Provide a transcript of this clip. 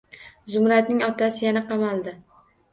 Zumradning otasi yana qamaldi.